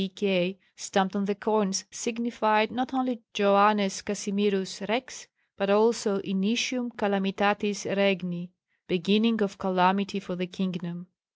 C. K." stamped on the coins signified not only "Joannes Casimirus Rex," but also "Initium Calamitatis Regni" (beginning of calamity for the kingdom).